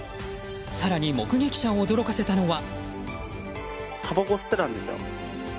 更に目撃者を驚かせたのは。